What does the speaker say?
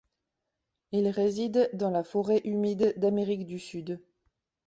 Il réside dans la forêt humide d'Amérique du Sud.